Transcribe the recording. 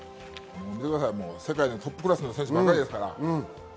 世界のトップクラスの選手ばかりですから。